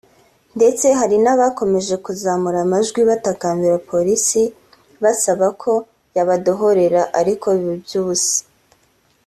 ndetse hari n’abakomeje kuzamura amajwi batakambira Polisi basaba ko yabadohorera ariko biba iby’ubusa